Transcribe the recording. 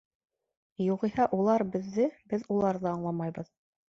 Юғиһә улар — беҙҙе, беҙ уларҙы аңламайбыҙ.